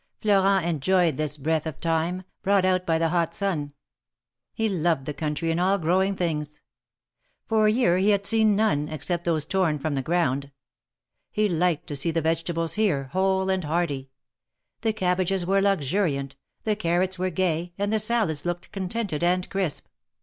Florent enjoyed this breath of Thyme, brought out by the hot sun. He loved the country, and all growing 216 THE MAEKETS OF PARIS. things. For a year he had seen none, except those torn from the ground. He liked to see the vegetables here, whole and hearty. The cabbages were luxuriant; the carrots were gay, and the salads looked contented and crisp.